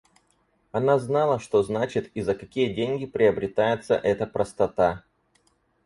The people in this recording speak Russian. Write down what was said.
Она знала, что значит и за какие деньги приобретается эта простота.